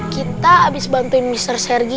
kita abis bantuin mister sergi